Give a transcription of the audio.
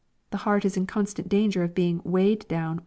— The heart is in constant danger of being "weighed down